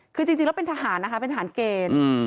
คือจริงแล้วเป็นทหารนะคะเป็นทหารเกณฑ์